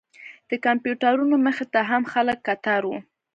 د کمپیوټرونو مخې ته هم خلک کتار و.